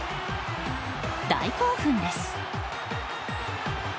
大興奮です。